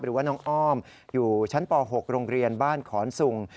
หรือว่าน้องอ้อมอยู่ชั้นป๖โรงเรียนบ้านขอนสุง